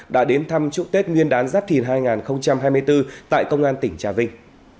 đã đến thăm trụ tết nguyên đán giáp thìn hai nghìn hai mươi bốn tại công an tỉnh trà vinh